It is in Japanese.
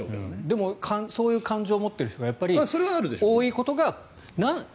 でもそういう感情を持っている人が多いことが。